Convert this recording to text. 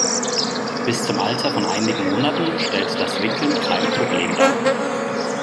Bis zum Alter von einigen Monaten stellt das Wickeln kein Problem dar.